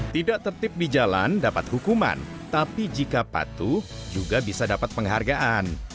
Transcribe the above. tidak tertip di jalan dapat hukuman tapi jika patuh juga bisa dapat penghargaan